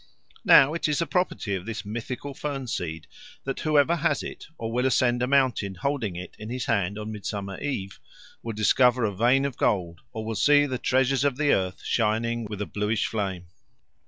Now it is a property of this mythical fern seed that whoever has it, or will ascend a mountain holding it in his hand on Midsummer Eve, will discover a vein of gold or will see the treasures of the earth shining with a bluish flame.